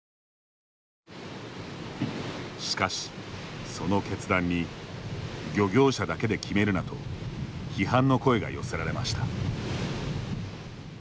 しかし、その決断に漁業者だけで決めるなと批判の声が寄せられました。